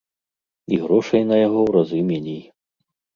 І грошай на яго ў разы меней.